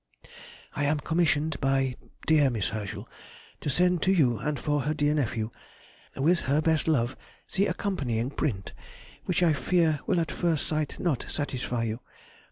_ I am commissioned by dear Miss Herschel to send to you and for her dear nephew, with her best love, the accompanying print, which I fear will at first sight not satisfy you.